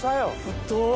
太っ！